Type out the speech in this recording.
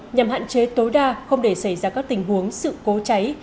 nhằm hạn chế tối đa không để xảy ra các tình huống sự cố cháy